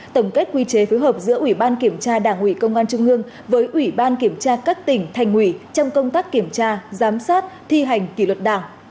tổng kết quy chế phối hợp giữa ủy ban kiểm tra đảng ủy công an trung ương với ủy ban kiểm tra các tỉnh thành ủy trong công tác kiểm tra giám sát thi hành kỷ luật đảng